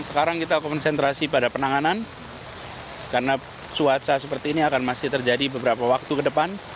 sekarang kita konsentrasi pada penanganan karena cuaca seperti ini akan masih terjadi beberapa waktu ke depan